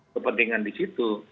kepentingan di situ